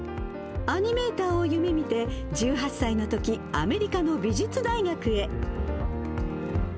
アニメーターを夢みて１８歳のとき、アメリカの美術大学へ。